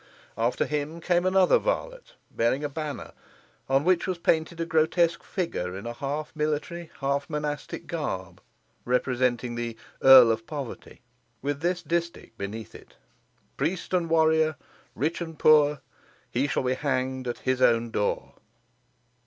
After him came another varlet bearing a banner, on which was painted a grotesque figure in a half military, half monastic garb, representing the "Earl of Poverty," with this distich beneath it: Priest and warrior rich and poor, He shall be hanged at his own door.